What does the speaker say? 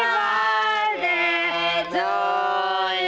แฮปปีฟอดเดทโทโย